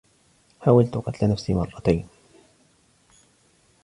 حاولت قتل نفسي مرّتين.